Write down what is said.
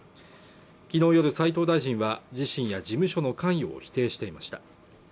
昨日夜斉藤大臣は自身や事務所の関与を否定していました